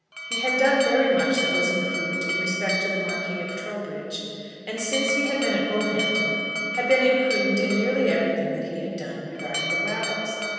He had done very much that was imprudent in respect to the Marquis of Trowbridge; and since he had been at Bullhampton had been imprudent in nearly everything that he had done regarding the Brattles.